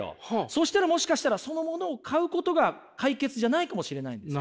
そしたらもしかしたらそのものを買うことが解決じゃないかもしれないんです。